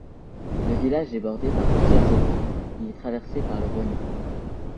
Le village est bordée par plusieurs étangs, il est traversé par le Rognon.